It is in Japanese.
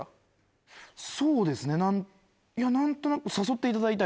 そうですねいや何となく。